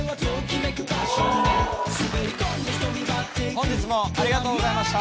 本日もありがとうございました。